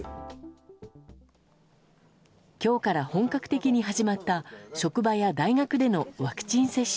今日から本格的に始まった職場や大学でのワクチン接種。